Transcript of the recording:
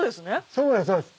そうですそうです。